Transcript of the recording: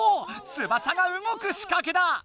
翼が動くしかけだ！